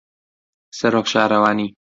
سەرۆک شارەوانی